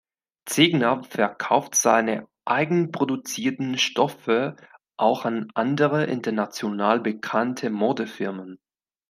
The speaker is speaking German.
Zegna verkauft seine eigenproduzierten Stoffe auch an andere, international bekannte Modefirmen.